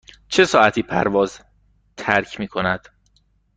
چه ساعتی پرواز ترک می کند؟